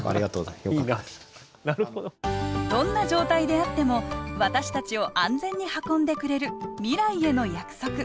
どんな状態であっても私たちを安全に運んでくれる未来への約束。